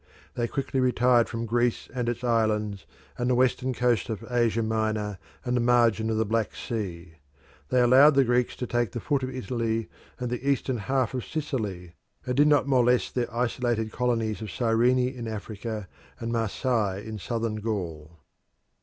They quickly retired from Greece and its islands, and the western coast of Asia Minor and the margin of the Black Sea. They allowed the Greeks to take the foot of Italy and the eastern half of Sicily, and did not molest their isolated colonies of Cyrene in Africa and Marseilles in Southern Gaul.